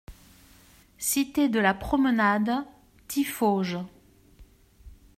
Cité de la Promenade, Tiffauges